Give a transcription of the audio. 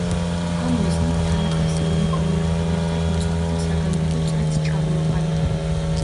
ამ მიზნით თანაკლასელ ნიკო მართან ერთად მოწაფეთა საგანგებო წრეც ჩამოაყალიბა.